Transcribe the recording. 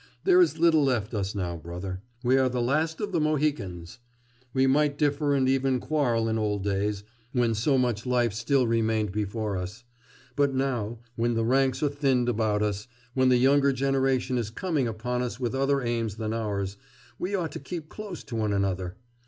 There is little left us now, brother; we are the last of the Mohicans! We might differ and even quarrel in old days, when so much life still remained before us; but now, when the ranks are thinned about us, when the younger generation is coming upon us with other aims than ours, we ought to keep close to one another!